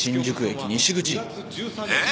☎えっ？